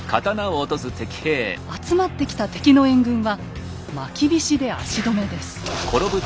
集まった敵の援軍はまきびしで足止めです。